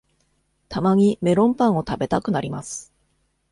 たまにメロンパンを食べたくなります